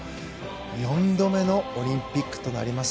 ４度目のオリンピックとなります。